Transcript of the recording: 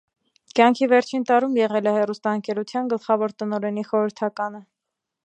Կյանքի վերջին տարում եղել է հեռուստաընկերության գլխավոր տնօրենի խորհրդականը։